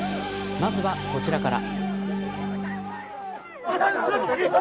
まずは、こちらから。